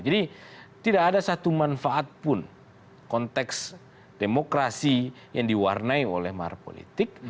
tidak ada satu manfaat pun konteks demokrasi yang diwarnai oleh mahar politik